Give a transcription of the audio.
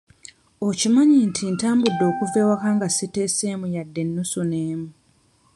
Okimanyi nti ntambudde okuva ewaka nga sitaddeemu yadde nnusu n'emu?